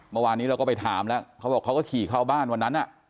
เมื่อวานนี้เราก็ไปถามแล้วเขาบอกเขาก็ขี่เข้าบ้านวันนั้น